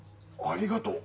ありがとう。